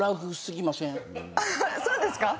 そうですか？